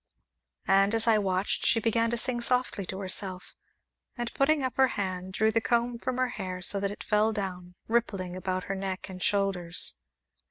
And, as I watched, she began to sing softly to herself, and, putting up her hand, drew the comb from her hair so that it fell down, rippling about her neck and shoulders.